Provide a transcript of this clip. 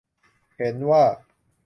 เห็นว่า